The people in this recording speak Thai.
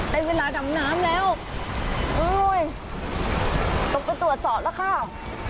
ได้เวลาดำน้ำแล้วโอ้ยตกไปตรวจสอบแล้วค่ะ